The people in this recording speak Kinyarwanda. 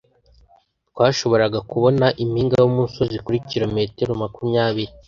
Twashoboraga kubona impinga yumusozi kuri kilometero makumyabiri.